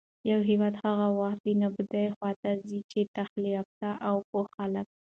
يـو هېـواد هـغه وخـت د نـابـودۍ خـواتـه ځـي چـې تحـصيل يافتـه او پـوه خلـک